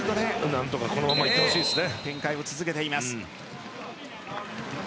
何とかこのままいってほしいですね。